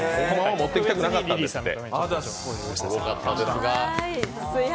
持ってきたくなかったんですって。